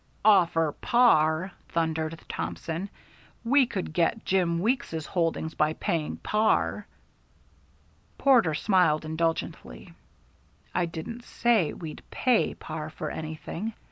"Offer par!" thundered Thompson. "We could get Jim Weeks's holdings by paying par." Porter smiled indulgently. "I didn't say we'd pay par for anything.